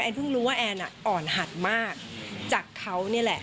เพิ่งรู้ว่าแอนอ่อนหัดมากจากเขานี่แหละ